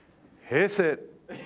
「平成」。